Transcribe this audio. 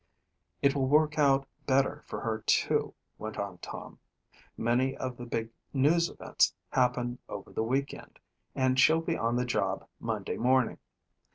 "It will work out better for her, too," went on Tom. "Many of the big news events happen over the week end and she'll be on the job Monday morning.